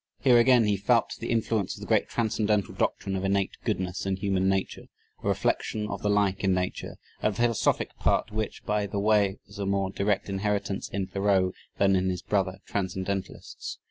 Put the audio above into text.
Here again he felt the influence of the great transcendental doctrine of "innate goodness" in human nature a reflection of the like in nature; a philosophic part which, by the way, was a more direct inheritance in Thoreau than in his brother transcendentalists.